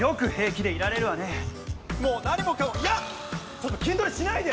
ちょっと筋トレしないで！